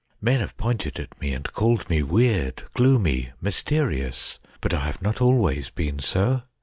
Men have pointed at me, and called me weird, gloomy, mysterious. But I have not always been so.